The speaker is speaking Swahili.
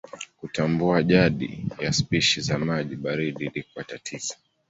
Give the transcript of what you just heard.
Kutambua jadi ya spishi za maji baridi ilikuwa tatizo.